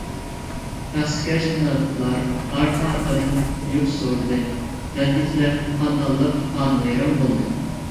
تەخسىكەش مۇناپىقلار ئارقا - ئارقىدىن يۇرت سورىدى. نەتىجىدە، خانىدانلىق خانىۋەيران بولدى.